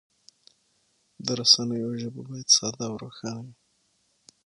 د رسنیو ژبه باید ساده او روښانه وي.